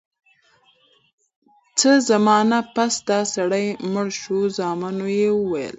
څه زمانه پس دا سړی مړ شو زامنو ئي وويل: